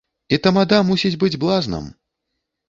І тамада мусіць быць блазнам.